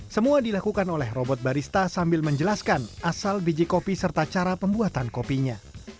semua dilakukan oleh robot barista sambil menjelaskan asal biji kopi serta cara pembuatan kopinya